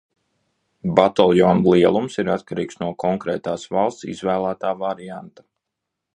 Bataljona lielums ir atkarīgs no konkrētās valsts izvēlētā varianta.